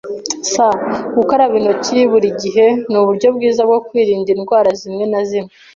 [S] Gukaraba intoki buri gihe nuburyo bwiza bwo kwirinda indwara zimwe na zimwe.